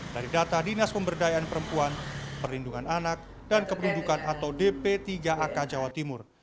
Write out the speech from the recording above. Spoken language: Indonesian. dari data dinas pemberdayaan perempuan perlindungan anak dan kependudukan atau dp tiga ak jawa timur